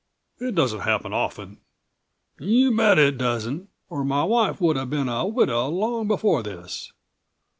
It doesn't happen often." "You bet it doesn't ... or my wife would have been a widow long before this.